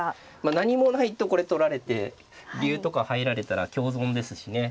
何もないとこれ取られて竜とか入られたら香損ですしね。